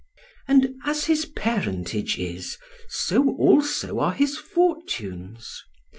And as his parentage is, so also are his fortunes.